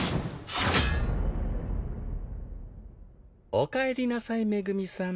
おかえりなさい恵さん。